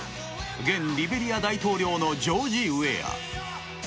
現リベリア大統領のジョージ・ウェア。